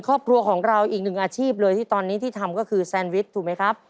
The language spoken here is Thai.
ครอบครัวของเราอีกหนึ่งอาชีพเลยที่ตอนนี้ที่ทำก็คือแซนวิชถูกไหมครับ